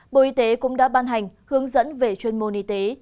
bộ y tế cũng đã ban hành hướng dẫn về chuyên môn y tế